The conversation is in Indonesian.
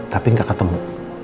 tapi gak ketemu